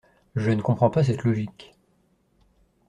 Je ne comprends pas cette logique.